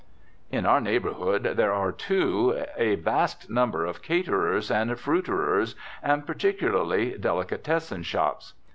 In our neighbourhood there are, too, a vast number of "caterers" and "fruiterers," and, particularly, delicatessen shops.